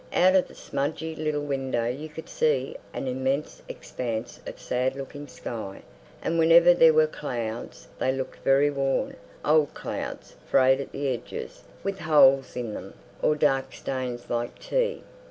Out of the smudgy little window you could see an immense expanse of sad looking sky, and whenever there were clouds they looked very worn, old clouds, frayed at the edges, with holes in them, or dark stains like tea.